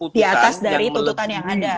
di atas dari tuntutan yang ada